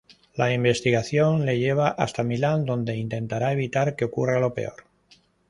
La investigación le lleva hasta Milán, donde intentará evitar que ocurra lo peor.